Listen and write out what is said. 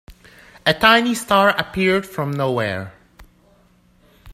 A tiny star appeared from nowhere.